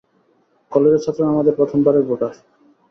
কলেজের ছাত্ররা আমাদের প্রথমবারের ভোটার।